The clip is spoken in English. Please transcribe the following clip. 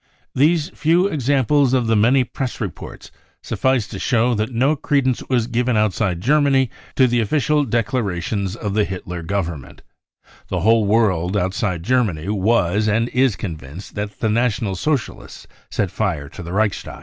These few examples out of the many press reports suffice to show that no credence was given outside Germany to the official declarations of the Hitler government* The whole ^ world outside Germany was and is convinced that the National Socialists set fire to the Reichstag.